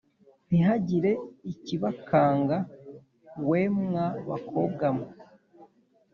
Ntihagire ikibakanga we mwa bakobwa mwe